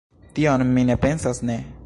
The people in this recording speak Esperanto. Tion mi ne pensas, ne!